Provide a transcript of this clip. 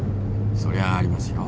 そりゃありますよ。